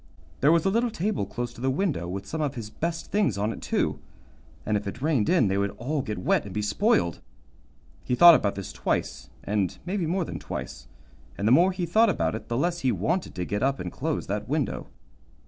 There was a little table close to the window, with some of his best things on it, too, and if it rained in they would all get wet and be spoiled. He thought about this twice, and maybe more than twice, and the more he thought about it the less he wanted to get up and close that window.